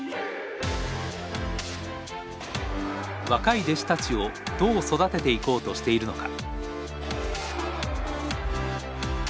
若い弟子たちをどう育てていこうとしているのか。